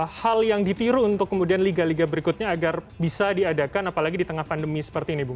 apakah ini bisa menjadi hal yang ditiru untuk kemudian liga liga berikutnya agar bisa diadakan apalagi di tengah pandemi seperti ini bung